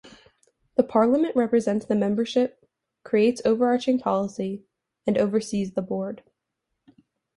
The parliament represents the membership, creates "overarching" policy and oversees the board.